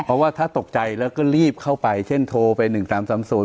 เพราะว่าถ้าตกใจแล้วก็รีบเข้าไปเช่นโทรไป๑๓๓๐